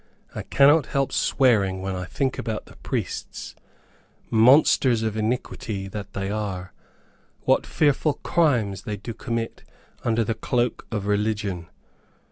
I cannot help swearing when I think about the priests, monsters of iniquity that they are; what fearful crimes they do commit under the cloak of religion!